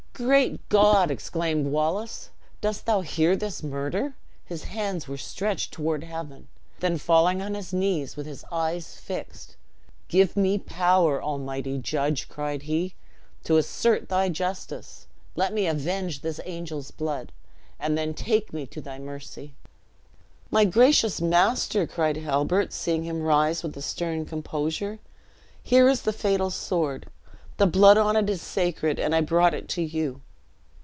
"Great God!" exclaimed Wallace, "dost thou hear this murder?" His hands were stretched toward heaven; then falling on his knees, with his eyes fixed. "Give me power, Almighty Judge!" cried he, "to assert thy justice! Let me avenge this angel's blood, and then take me to thy mercy!" "My gracious master," cried Halbert, seeing him rise with a stern composure, "here is the fatal sword; the blood on it is sacred, and I brought it to you."